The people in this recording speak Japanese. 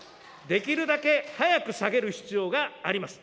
できるだけ早く下げる必要があります。